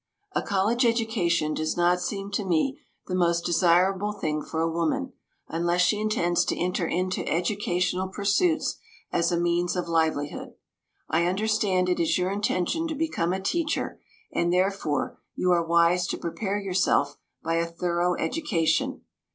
A college education does not seem to me the most desirable thing for a woman, unless she intends to enter into educational pursuits as a means of livelihood. I understand it is your intention to become a teacher, and, therefore, you are wise to prepare yourself by a thorough education.